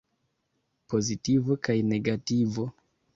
Pozitivo kaj negativo.